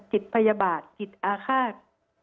จิตพยาบาลจิตอาฆาต